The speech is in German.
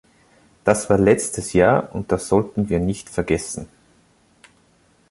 Das war letztes Jahr, und das sollten wir nicht vergessen!